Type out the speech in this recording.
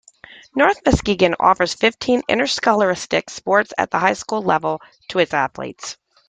North Muskegon offers fifteen interscholastic sports at the high school level to its athletes.